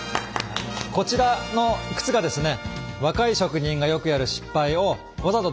こちらの靴がですね